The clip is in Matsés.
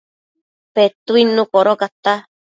Petuidnu codocata